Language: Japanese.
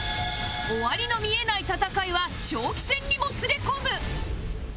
終わりの見えない戦いは長期戦にもつれ込む